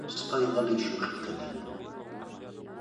سپي غلی شوخي کوي.